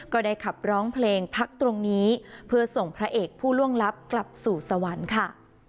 ก็ได้ขับร้องเพลงพักตรงนี้เพื่อส่งพระเอกผู้ล่วงลับกลับสู่สวรรค์ค่ะ